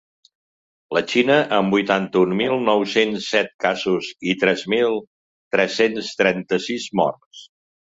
La Xina, amb vuitanta-un mil nou-cents set casos i tres mil tres-cents trenta-sis morts.